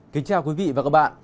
kính chào quý vị và các bạn